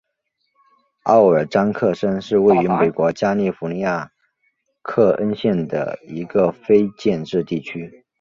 奥尔章克申是位于美国加利福尼亚州克恩县的一个非建制地区。